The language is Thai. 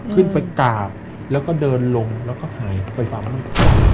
ขึ้นไปกราบแล้วก็เดินลงแล้วก็หายไฟฟ้า